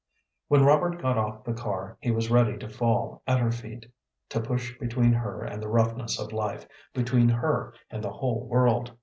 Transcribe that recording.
When Robert got off the car he was ready to fall at her feet, to push between her and the roughness of life, between her and the whole world.